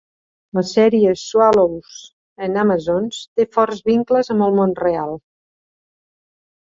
La sèrie "Swallows and Amazons" té forts vincles amb el món real.